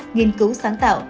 nghiên cứu sáng tạo